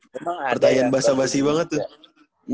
pertanyaan basah basi banget tuh